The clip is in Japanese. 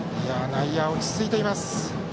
内野は落ち着いています。